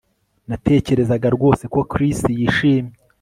Natekerezaga rwose ko Chris yishimye